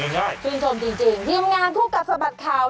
เฮียงงานทุกขับสะบัดข่าว